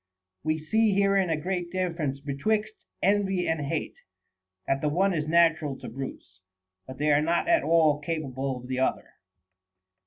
We see then herein a great difference betwixt envy and hate, that the one is natural to brutes, but they are not at all capable of the other.